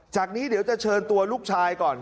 จากนี้เดี๋ยวจะเชิญตัวลูกชายก่อน